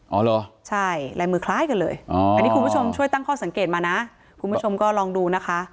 เหรอใช่ลายมือคล้ายกันเลยอันนี้คุณผู้ชมช่วยตั้งข้อสังเกตมานะคุณผู้ชมก็ลองดูนะคะ